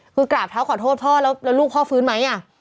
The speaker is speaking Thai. คือกราบเท้าขอโทษพ่อแล้วลูกพ่อฟื้นไหม